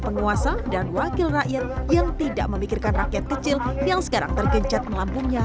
penguasa dan wakil rakyat yang tidak memikirkan rakyat kecil yang sekarang tergencat melampungnya